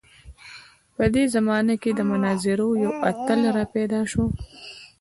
په دې زمانه کې د مناظرو یو اتل راپیدا شو.